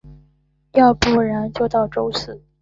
要不然就要到周四